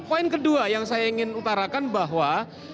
poin kedua yang saya ingin utarakan bahwa